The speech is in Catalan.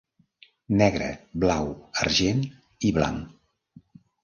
Negre, blau, argent i blanc.